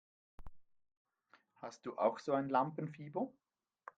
Hast du auch so ein Lampenfieber?